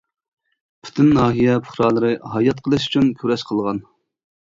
پۈتۈن ناھىيە پۇقرالىرى ھايات قېلىش ئۈچۈن كۈرەش قىلغان.